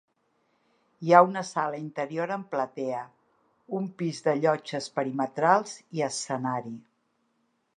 Hi ha una sala interior amb platea, un pis de llotges perimetrals i escenari.